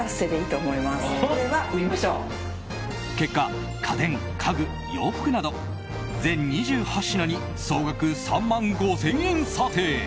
結果家電、家具、洋服など全２８品に総額３万５０００円査定。